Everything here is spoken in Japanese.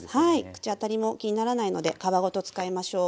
口当たりも気にならないので皮ごと使いましょう。